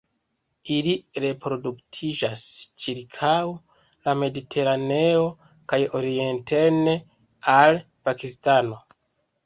Ili reproduktiĝas ĉirkaŭ la Mediteraneo kaj orienten al Pakistano.